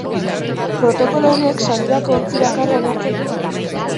Protokolo honek sarrerako ontzi bakarra onartzen du.